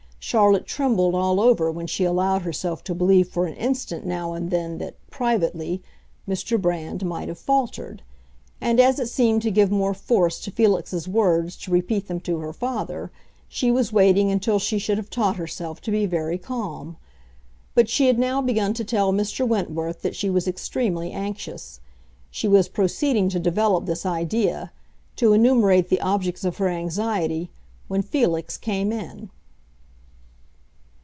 Charlotte trembled all over when she allowed herself to believe for an instant now and then that, privately, Mr. Brand might have faltered; and as it seemed to give more force to Felix's words to repeat them to her father, she was waiting until she should have taught herself to be very calm. But she had now begun to tell Mr. Wentworth that she was extremely anxious. She was proceeding to develop this idea, to enumerate the objects of her anxiety, when Felix came in.